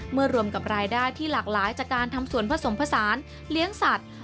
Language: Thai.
รวมกับรายได้ที่หลากหลายจากการทำส่วนผสมผสานเลี้ยงสัตว์